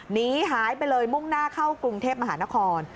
หนีหายไปเลยมุ่งหน้าเข้ากรุงเทพมหานคร